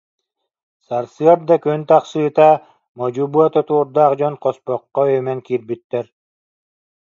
Сарсыарда күн тахсыыта, модьу быа тутуурдаах дьон хоспоххо үөмэн киирбиттэр